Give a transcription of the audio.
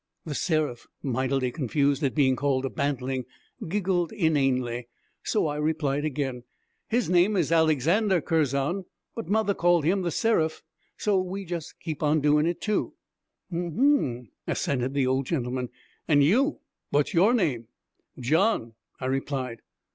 The Seraph, mightily confused at being called a bantling, giggled inanely, so I replied again. 'His name is Alexander Curzon, but mother called him The Seraph, so we jus' keep on doing it too.' 'Um hm,' assented the old gentleman; 'and you what's your name?' 'John,' I replied.